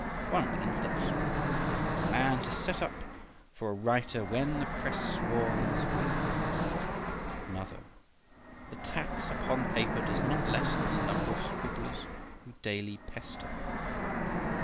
One begins thus: "For a man to set up for a writer when the press swarms with," &c. Another: "The tax upon paper does not lessen the number of scribblers who daily pester," &c.